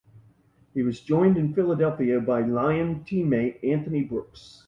He was joined in Philadelphia by Lion teammate Anthony Brooks.